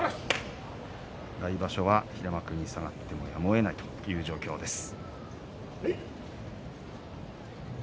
来場所は平幕に下がってやむをえないという状況です。